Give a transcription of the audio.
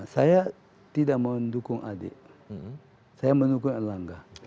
saya tidak mendukung adek saya mendukung erlangga